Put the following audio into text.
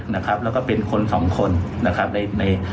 แล้วก็เป็นคนสองคน